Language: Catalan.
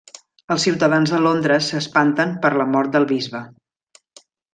Els ciutadans de Londres s'espanten per la mort del Bisbe.